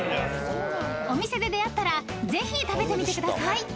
［お店で出合ったらぜひ食べてみてください］